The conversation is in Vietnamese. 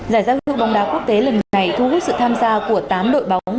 giải giao bóng đá quốc tế lần này thu hút sự tham gia của tám đội bóng